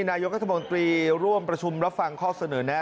นายกรัฐมนตรีร่วมประชุมรับฟังข้อเสนอแน่